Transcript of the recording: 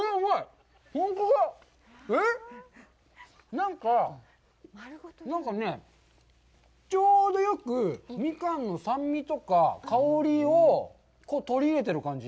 なんか、なんかね、ちょうどよくミカンの酸味とか香りを取り入れてる感じ。